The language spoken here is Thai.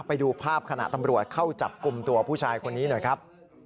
ไปดูภาพขณะตำรวจเข้าจับกลุ่มตัวผู้ชายคนนี้หน่อยครับ